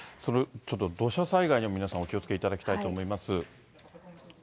ちょっと土砂災害に皆さん、お気をつけいただきたいたいと思います。